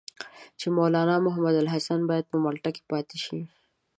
چې مولنا محمودالحسن باید په مالټا کې پاتې شي.